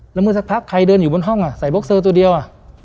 แล้วเมื่อสักพักใครเดินอยู่บนห้องอ่ะใส่บ็อกเซอร์ตัวเดียว